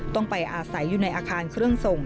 ต้องไปอาศัยอยู่ในอาคารเครื่องส่ง